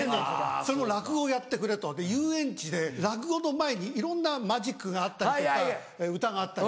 それも「落語をやってくれ」と遊園地で落語の前にいろんなマジックがあったりとか歌があったり。